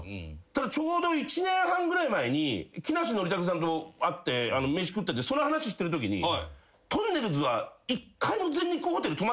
ちょうど１年半ぐらい前に木梨憲武さんと会って飯食っててその話してるときにとんねるずは。